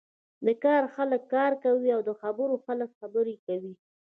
د کار خلک کار کوی او د خبرو خلک خبرې کوی.